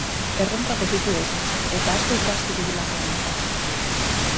Erronka positiboa izan zen, eta asko ikasi dugulakoan nago.